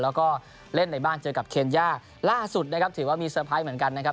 แล้วก็เล่นในบ้านเจอกับเคนย่าล่าสุดนะครับถือว่ามีเตอร์ไพรส์เหมือนกันนะครับ